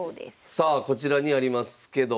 さあこちらにありますけども。